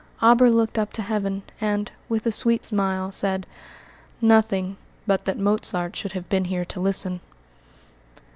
Auber looked up to heaven, and, with a sweet smile, said, "Nothing but that Mozart should have been here to listen."